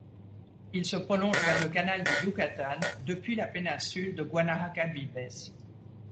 Il se prolonge vers le canal du Yucatán depuis la péninsule de Guanahacabibes.